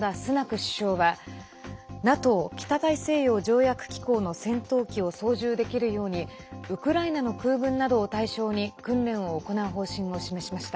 首相はＮＡＴＯ＝北大西洋条約機構の戦闘機を操縦できるようにウクライナの空軍などを対象に訓練を行う方針を示しました。